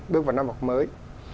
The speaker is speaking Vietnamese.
bước vào năm học mới